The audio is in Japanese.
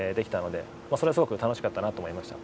それはすごく楽しかったなと思いました。